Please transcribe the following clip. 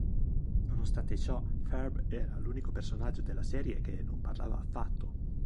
Nonostante ciò, Ferb era l'unico personaggio della serie che non parlava affatto.